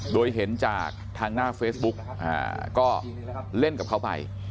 โดยเห็นจากทางหน้าเฟซบุ๊กก็เล่นกับเขาไป